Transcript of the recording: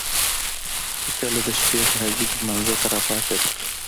چې کله د شپې تهجد لمانځه ته را پاڅيدل